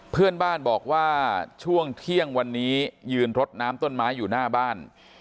เพื่อนบ้านบอกว่าช่วงเที่ยงวันนี้ยืนรดน้ำต้นไม้อยู่หน้าบ้าน